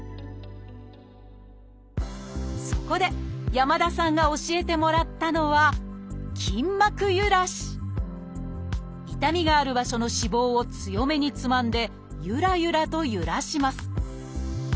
そこで山田さんが教えてもらったのは痛みがある場所の脂肪を強めにつまんでゆらゆらとゆらします。